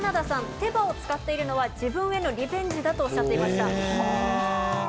手羽を使っているのは自分へのリベンジだとおっしゃっていましたは